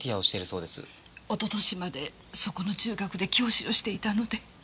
一昨年までそこの中学で教師をしていたので。